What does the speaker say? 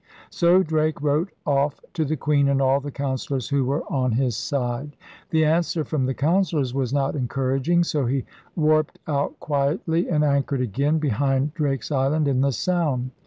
So Drake viTote off to the Queen and all the Councillors who v/ere on his side. The answer from the Councillors was not encouraging; so he warped out quietly and 146 ELIZABETHAN SEA DOGS anchored again behind Drake's Island in the Sound.